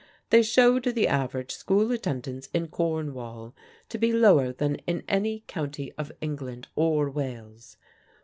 They showed the average school attendance in Cornwall to be lower than in any county of England or Wales.